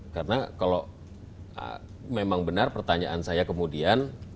karena kalau memang benar pertanyaan saya kemudian